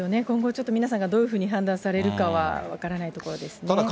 今後ちょっと、皆さんがどういうふうに判断されるかは分からないところですね。